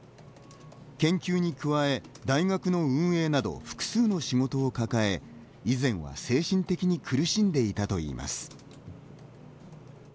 研究に加え、大学の運営など複数の仕事を抱え以前は、精神的に苦しんでいたといいます。